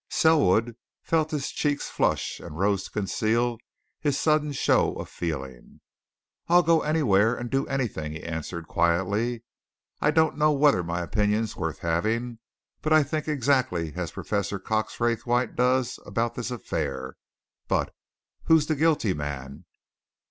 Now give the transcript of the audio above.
Selwood felt his cheeks flush and rose to conceal his sudden show of feeling. "I'll go anywhere and do anything!" he answered quietly. "I don't know whether my opinion's worth having, but I think exactly as Professor Cox Raythwaite does about this affair. But who's the guilty man?